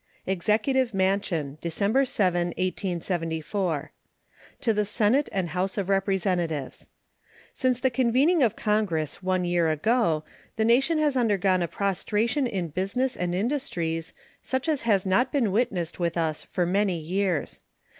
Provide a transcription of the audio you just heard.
EXECUTIVE MANSION, December 7, 1874. To the Senate and House of Representatives: Since the convening of Congress one year ago the nation has undergone a prostration in business and industries such as has not been witnessed with us for many years.